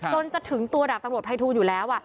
จนจะถึงตัวดาบตำรวจภัยทูลอยู่แล้ว